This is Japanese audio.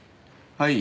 はい。